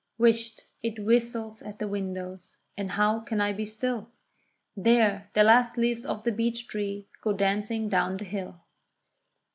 Whisht! it whistles at the windows, and how can I be still? There! the last leaves of the beech tree go dancing down the hill.